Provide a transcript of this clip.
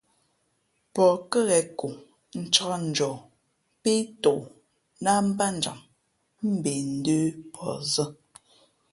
Pαh kάghen ko ncāk njαα pí tok láh batjǎm mbe ndə̌ pαh zᾱ.